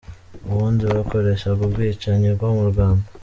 Ubundi bakoreshaga "ubwicanyi" bwo mu Rwanda.